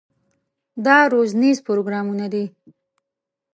دا روزنیز پروګرامونه دي.